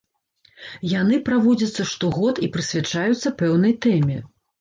Яны праводзяцца штогод і прысвячаюцца пэўнай тэме.